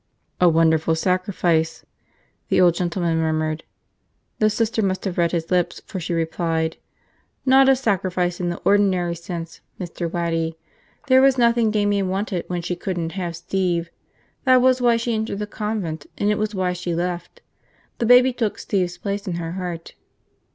"A wonderful sacrifice," the old gentleman murmured. The Sister must have read his lips, for she replied. "Not a sacrifice in the ordinary sense, Mr. Waddy. There was nothing Damian wanted when she couldn't have Steve. That was why she entered the convent, and it was why she left. The baby took Steve's place in her heart."